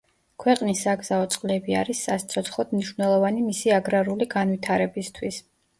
ქვეყნის საგზაო წყლები არის სასიცოცხლოდ მნიშვნელოვანი მისი აგრარული განვითარებისთვის.